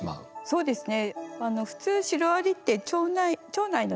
そうですね。